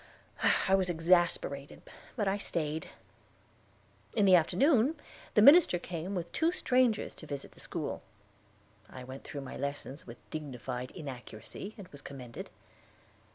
I was exasperated, but I stayed. In the afternoon the minister came with two strangers to visit the school. I went through my lessons with dignified inaccuracy, and was commended.